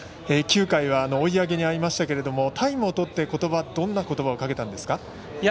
９回は追い上げにあいましたけれどもタイムをとってどんなことばをかけたんですか？